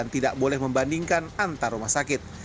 tidak boleh membandingkan antar rumah sakit